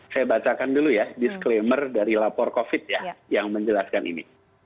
saya bacakan dulu ya disclaimer dari lapor covid ya yang menjelaskan ini